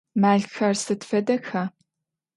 Мэлхэр сыд фэдэха?